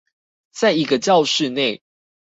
在一個教室內